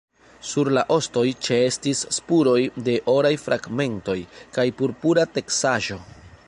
Sur la ostoj ĉeestis spuroj de oraj fragmentoj kaj purpura teksaĵo.